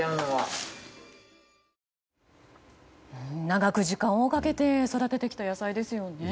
長く時間をかけて育ててきた野菜ですよね。